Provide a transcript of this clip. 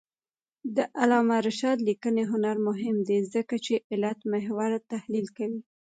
د علامه رشاد لیکنی هنر مهم دی ځکه چې علتمحوره تحلیل کوي.